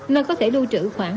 nơi có thể lưu trữ khoảng